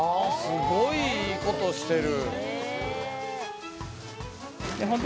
すごいいいことしてる。